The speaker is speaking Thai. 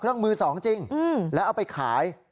อ๋อเครื่องมือสองจริงแล้วเอาไปขาย